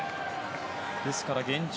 ですから現状